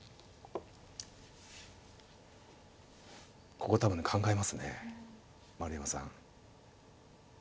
ここ多分ね考えますね丸山さん。